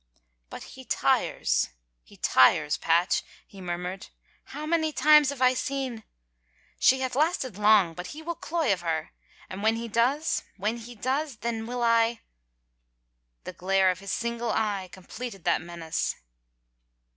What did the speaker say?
"But he tires — he tires, Patch," he miumured. " How many times have I seen — 1 She hath lasted long 140 THE ENLIGHTENMENT but he will cloy of her. And when he does — when he does — then will I —'* The glare of his single eye com pleted that menace.